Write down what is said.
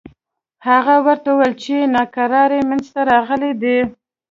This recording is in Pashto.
هغه ورته وویل چې ناکراری منځته راغلي دي.